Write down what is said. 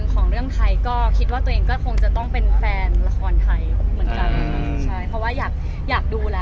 ชอบถ่ายทอดมาที่เขาแสดงมานะคะแต่ว่าเราก็จะ